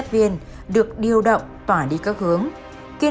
bị ông đậu từ chối